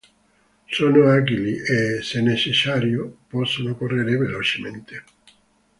Sono agili e, se necessario, possono correre velocemente.